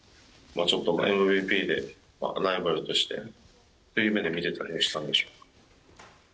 ちょっとＭＶＰでライバルとしてという目で見ていたりしたんでしょうか。